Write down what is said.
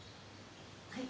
はい。